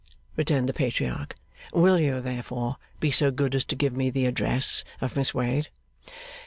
returned the Patriarch. 'Will you therefore be so good as to give me the address of Miss Wade?